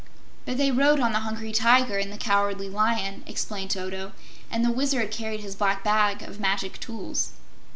"But they rode on the Hungry Tiger and the Cowardly Lion," explained Toto, "and the Wizard carried his Black Bag of Magic Tools."